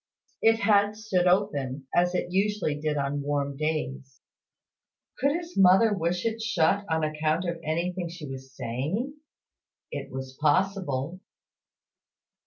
It had stood open, as it usually did on warm days. Could his mother wish it shut on account of anything she was saying? It was possible.